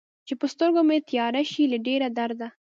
چې په سترګو مې تياره شي له ډېر درده